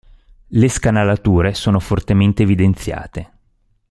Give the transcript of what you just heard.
Le scanalature sono fortemente evidenziate.